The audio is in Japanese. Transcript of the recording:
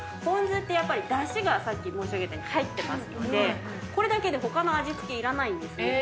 ぽん酢ってやっぱり出汁がさっき申し上げたように入ってますのでこれだけで他の味付けいらないんです。